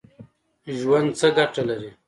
ژوند څه ګټه لري ؟